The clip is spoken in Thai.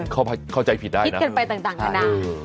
เขาเข้าใจผิดได้นะคิดกันไปต่างต่างขนาดอืม